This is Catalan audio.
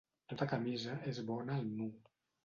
Tota camisa és bona al nu.